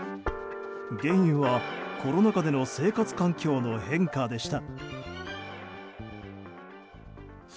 原因はコロナ禍での生活環境の変化でした。